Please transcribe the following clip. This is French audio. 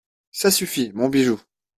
Ça suffit, mon bijou.